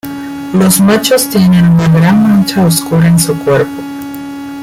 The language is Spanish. Los machos tienen una gran mancha oscura en su cuerpo.